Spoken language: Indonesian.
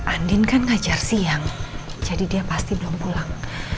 andin kan ngajar siang jadi dia pasti belum pulang